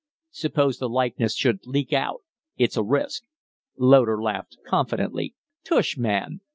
"Suppose the likeness should leak out? It's a risk." Loder laughed confidently. "Tush, man!